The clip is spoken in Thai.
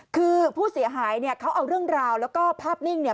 คือผู้เสียหายเนี่ยเขาเอาเรื่องราวแล้วก็ภาพนิ่งเนี่ย